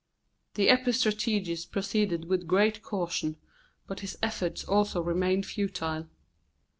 The epistrategus proceeded with great caution, but his efforts also remained futile.